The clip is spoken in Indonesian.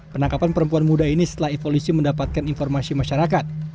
penangkapan perempuan muda ini setelah polisi mendapatkan informasi masyarakat